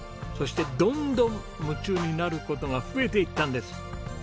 そしてどんどん夢中になる事が増えていったんです。